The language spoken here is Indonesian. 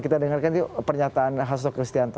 kita dengarkan pernyataan hasto kristianto